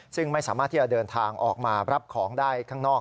ซึ่งไม่สามารถที่จะเดินทางออกมารับของได้ข้างนอก